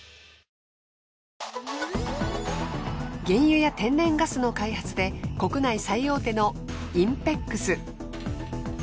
原油や天然ガスの開発で国内最大手のＩＮＰＥＸ。